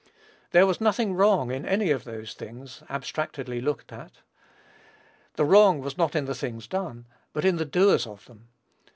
There was nothing wrong in any of these things, abstractedly looked at. The wrong was not in the things done, but in the doers of them.